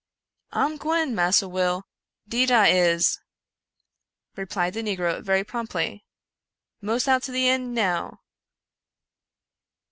" I'm gwine, Massa Will — deed I is," replied the negro very promptly —" mos out to the eend now."